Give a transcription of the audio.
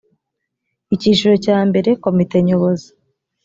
icyiciro cya mbere komite nyobozi